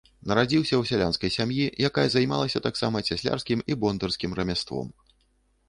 Нарадзіўся ў сялянскай сям'і, якая займалася таксама цяслярскім і бондарскім рамяством.